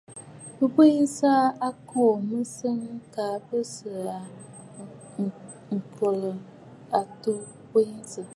Bɨ bweʼesə aa ŋkòò mɨ̀sɔ̀ŋ, kaa bɨ sɨ aa ŋ̀kɔ̀lɔ̂ àtu bweʼesə.